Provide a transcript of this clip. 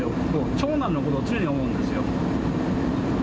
長男のことを常に思うんですよ。